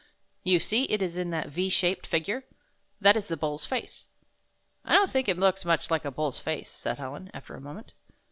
You see it is in that V shaped figui'e? That is the Bull's face." "I don't think it looks much like a bull's face," said Helen, after a moment.